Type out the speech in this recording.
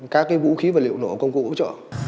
các vũ khí và liệu nổ công cụ ủng hộ